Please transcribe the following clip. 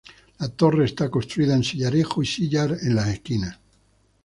La torre está construida en sillarejo y sillar en las esquinas.